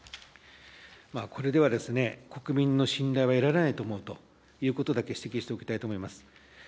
これでは国民の信頼は得られないと思うということだけ指摘しておきたいと思います。